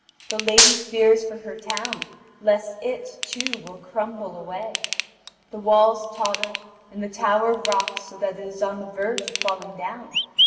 The lady fears for her town, lest it, too, will crumble away; the walls totter, and the tower rocks so that it is on the verge of falling down.